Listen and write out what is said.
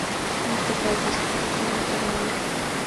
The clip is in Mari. — Мо тугай, — вес пӧръеҥ карале.